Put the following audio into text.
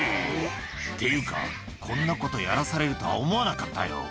っていうか、こんなことやらされるとは思わなかったよ。